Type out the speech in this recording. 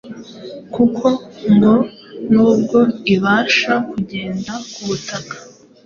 kuko ngo n’ubwo ibasha kugenda ku butaka,